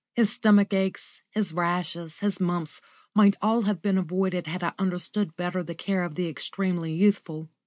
His stomach aches, his rashes, his mumps, might all have been avoided had I understood better the care of the extremely youthful.